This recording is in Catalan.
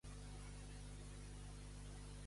Quin era el seu paper a Les de l'hoquei?